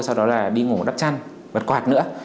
sau đó là đi ngủ đắp chăn vật quạt nữa